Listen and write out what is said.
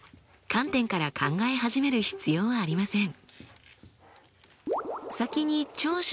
観点から考え始める必要はありません。